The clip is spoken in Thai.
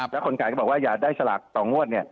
แล้วคนขายก็บอกว่าอยากได้สลาก๒งวด